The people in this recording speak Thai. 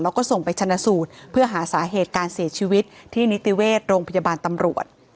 แล้วก็ส่งไปชนะสูตรเพื่อหาสาเหตุการเสียชีวิตที่นิติเวชโรงพยาบาลตำรวจ